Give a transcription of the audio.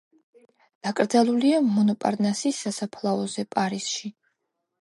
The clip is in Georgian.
დაკრძალულია მონპარნასის სასაფლაოზე, პარიზში.